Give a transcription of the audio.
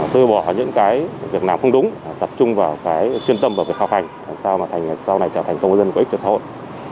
tư bỏ những việc nào không đúng tập trung vào chuyên tâm và việc học hành làm sao cháu trở thành công dân có ích cho xã hội